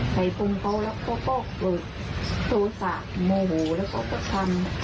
ใส่พรมเขาแล้วเขาก็เกิดโทษะโมโหแล้วก็ก็ทำ